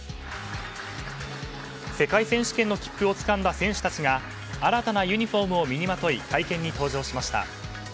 世界選手権の切符をつかんだ選手たちが新たなユニホームを身にまとい会見に登場しました。